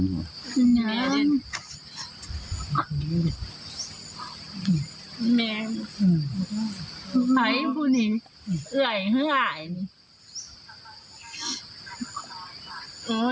โอ้ยพ่ออายอื้อ